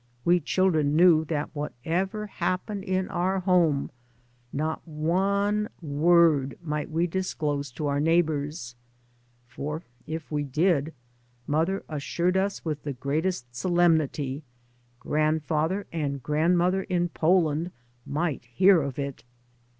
We children knew that whatever happened in our home not one word might we disclose to our neighbours. For if we did, mother assured us with the greatest solemnity, grandfather and grand mother in Poland might hear of it.